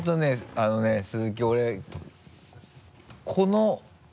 あのね鈴木俺この。